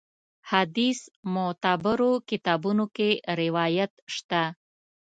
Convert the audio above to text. حدیث معتبرو کتابونو کې روایت شته.